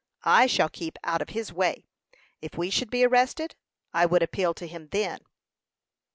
I shall keep out of his way. If we should be arrested, I would appeal to him then."